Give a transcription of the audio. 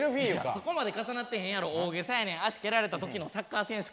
そこまで重なってへんやろ大げさやねん足蹴られた時のサッカー選手かお前。